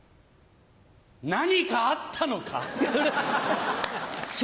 何かあったのか？